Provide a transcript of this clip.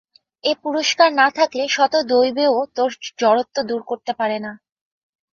এ পুরুষকার না থাকলে শত দৈবও তোর জড়ত্ব দূর করতে পারে না।